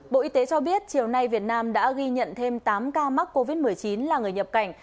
bộ y tế cho biết chiều nay việt nam đã ghi nhận thêm tám ca mắc covid một mươi chín là người nhập cảnh